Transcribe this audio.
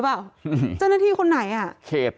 ว่าอย่างไรครับ